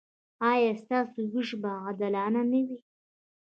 ایا ستاسو ویش به عادلانه نه وي؟